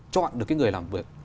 chọn được cái người làm việc